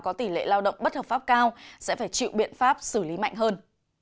có tỷ lệ lao động bất hợp pháp cao sẽ phải chịu biện pháp xử lý mạnh hơn